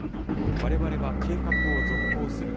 われわれは計画を続行する。